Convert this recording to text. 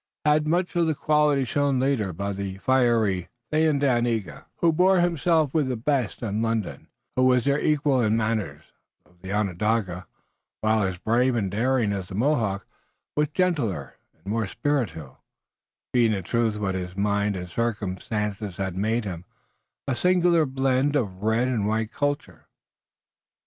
He had much of the quality shown later by the fiery Thayendanegea, who bore himself with the best in London and who was their equal in manners, though the Onondaga, while as brave and daring as the Mohawk, was gentler and more spiritual, being, in truth, what his mind and circumstances had made him, a singular blend of red and white culture.